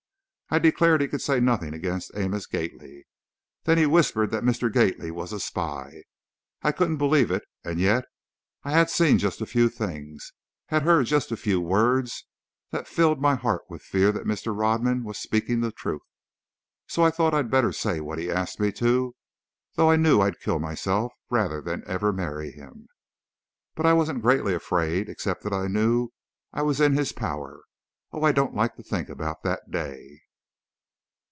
I declared he could say nothing against Amos Gately. Then he whispered that Mr. Gately was a spy! I couldn't believe it, and yet, I had seen just a few things, had heard just a few words, that filled my heart with a fear that Mr. Rodman was speaking the truth. So I thought I'd better say what he asked me to, though I knew I'd kill myself rather than ever marry him. But I wasn't greatly afraid, except that I knew I was in his power. Oh, I don't like to think about that day!"